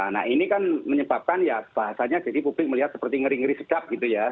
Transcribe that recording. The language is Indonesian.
nah ini kan menyebabkan ya bahasanya jadi publik melihat seperti ngeri ngeri sedap gitu ya